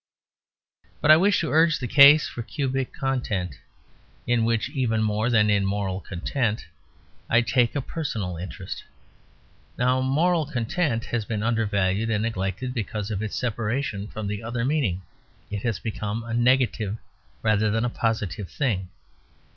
But I wish to urge the case for cubic content; in which (even more than in moral content) I take a personal interest. Now, moral content has been undervalued and neglected because of its separation from the other meaning. It has become a negative rather than a positive thing.